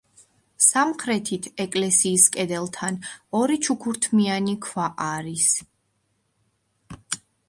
სამხრეთით ეკლესიის კედელთან ორი ჩუქურთმიანი ქვა არის.